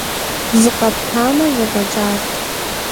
Зыкъэптамэ, зэфӀэкӀат.